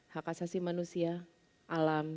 hak asasi manusia alam